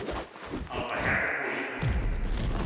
El pecat acusa.